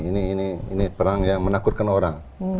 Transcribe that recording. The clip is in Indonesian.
ini perang yang menakutkan orang